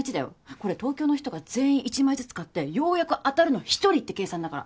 これ東京の人が全員１枚ずつ買ってようやく当たるの１人って計算だから。